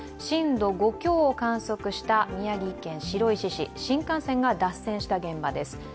震度５強を観測した宮城県白石市、新幹線が脱線した現場です。